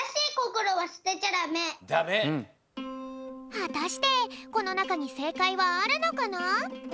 はたしてこのなかにせいかいはあるのかな？